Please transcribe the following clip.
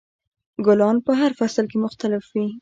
ګلان په هر فصل کې مختلف وي.